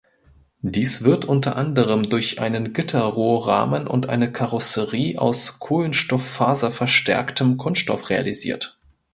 Dies wird unter anderem durch einen Gitterrohrrahmen und eine Karosserie aus kohlenstofffaserverstärktem Kunststoff realisiert.